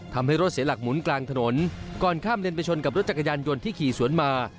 ทำให้รถเสียหลักหมุนกลางถนนก่อนข้ามเลนไปชนกับรถจักรยานยนต์ที่ขี่สวนมา